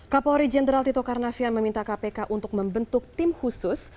kapolri jenderal tito karnavian meminta kpk untuk membentuk tim khusus